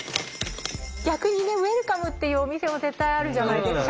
逆にウェルカムっていうお店も絶対あるじゃないですか。